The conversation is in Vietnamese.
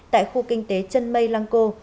tại khu kinh tế trân mây lăng cô